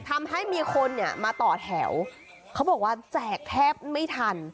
ทำให้มีคนเนี่ยมาต่อแถวเขาบอกว่าแจกแทบไม่ทัน